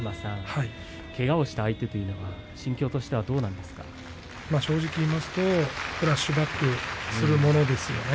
けがをした相手というのは正直言いますとフラッシュバックするものですよね。